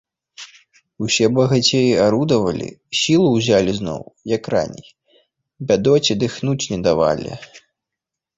Усё багацеі арудавалі, сілу ўзялі зноў, як раней, бядоце дыхнуць не давалі.